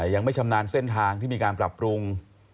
ยังไม่ชำนาญเส้นทางที่มีการปรับปรุง